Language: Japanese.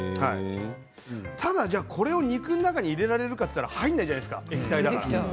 ただ、これを肉の中に入れられるかというと入らないじゃないですか、液体だから。